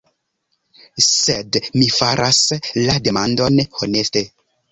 Sed mi faras la demandon honeste.